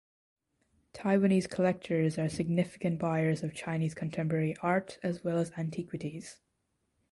Taiwanese collectors are significant buyers of Chinese contemporary art as well as antiquities.